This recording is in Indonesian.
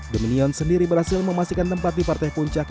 dominion sendiri berhasil memastikan tempat di partai puncak